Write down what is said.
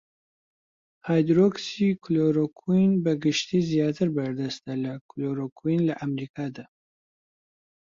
هایدرۆکسی کلۆرۆکوین بەگشتی زیاتر بەردەستە لە کلۆرۆکوین لە ئەمەریکادا.